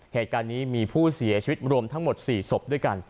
เหตุการณ์นี้มีผู้เสียชีวิตรวมทั้งหมด๔ศพด้วยกัน